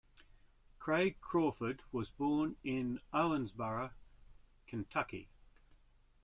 Craig Crawford was born in Owensboro, Kentucky.